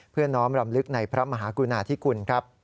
เพื่อน้องรำลึกในพระมหากุณฑิกุล